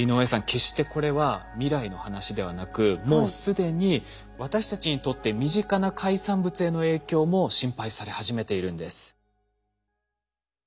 決してこれは未来の話ではなくもう既に私たちにとって身近な海産物への影響も心配され始めているんです。